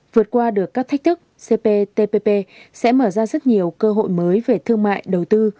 vượt qua được các thách thức cptpp sẽ mở ra rất nhiều cơ hội mới về thương mại đầu tư